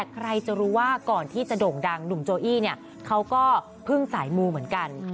ใครจะรู้ว่าก่อนที่จะโด่งดังหนุ่มโจอี้เนี่ยเขาก็พึ่งสายมูเหมือนกัน